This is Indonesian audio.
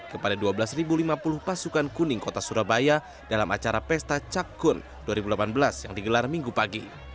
kepada dua belas lima puluh pasukan kuning kota surabaya dalam acara pesta cakkun dua ribu delapan belas yang digelar minggu pagi